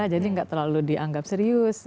jadi gak terlalu dianggap serius